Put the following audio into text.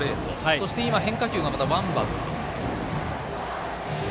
そして今、変化球がワンバンと。